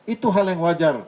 itu hal yang wajar